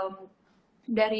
membantu tidak hanya dari